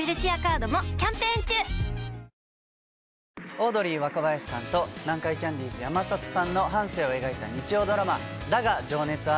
オードリー・若林さんと南海キャンディーズ・山里さんの半生を描いた日曜ドラマ『だが、情熱はある』。